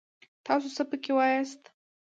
تاڅو څه پکې واياست!